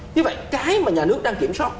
như vậy cái mà nhà nước đang kiểm soát